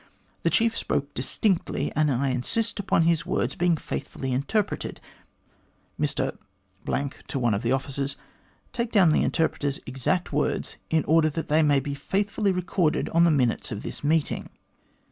The chief spoke distinctly, and I insist upon his words being faithfully in terpreted. Mr (to one of the officers), take down the in terpreter's exact words, in order that they may be faithfully recorded on the minutes of this meeting.'